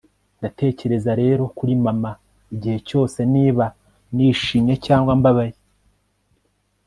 ndatekereza rero kuri mama igihe cyose, niba nishimye cyangwa mbabaye